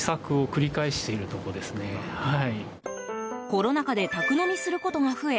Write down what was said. コロナ禍で宅飲みすることが増え